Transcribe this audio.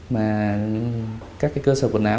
mà các cơ sở quần áo